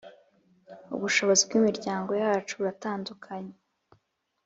ubushobozi bw imiryango yacu buratandakunye